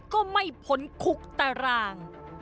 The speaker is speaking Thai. ก็ไม่พ้นคุกตาราง